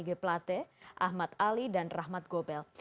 pak r g plate ahmad ali dan rahmat gobel